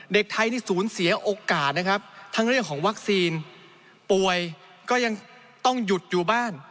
เด็กไทยนี่ศูนย์เสียโอกาสนะครับทั้งเรื่องของวัคซีนป่วยก็ยังต้องหยุดอยู่บ้าน